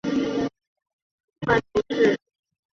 韦南人口变化图示